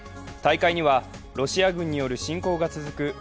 大会にはロシア軍による侵攻が続く